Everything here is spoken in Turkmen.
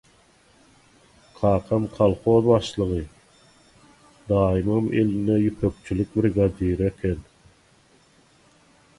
Kakam kolhoz başlygy, daýymam elinde ýüpekçilik brigadiri eken.